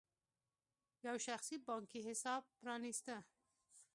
یو شخصي بانکي حساب پرانېسته.